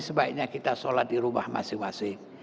sebaiknya kita sholat di rumah masing masing